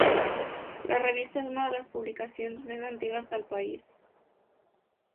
La revista és una de les publicacions més antigues del país.